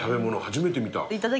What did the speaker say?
初めて見た。